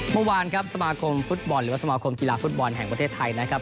เมื่อวานครับสมาคมฟุตบอลหรือว่าสมาคมกีฬาฟุตบอลแห่งประเทศไทยนะครับ